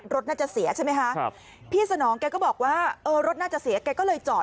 รถน่าจะเสียใช่ไหมคะครับพี่สนองแกก็บอกว่าเออรถน่าจะเสียแกก็เลยจอด